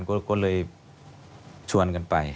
ไปชวนกันไป